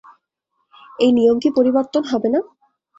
এই নিয়ম কি পরিবর্তন হবে না?